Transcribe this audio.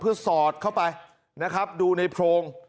เพื่อสอดเข้าไปนะครับดูในโพรง